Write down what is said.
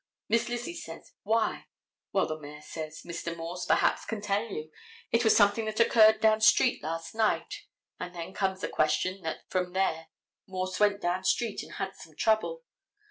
Miss Lizzie says, why? Well, the mayor says, Mr. Morse, perhaps, can tell you. It was something that occurred down street last night, and then comes the question that from there Morse went down street and had some trouble.